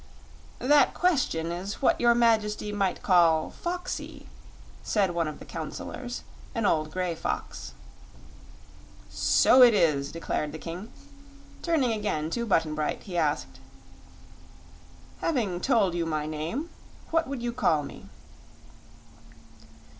"That question is what your Majesty might call foxy," said one of the counselors, an old grey fox. "So it is," declared the King. Turning again to Button Bright, he asked: "Having told you my name, what would you call me?"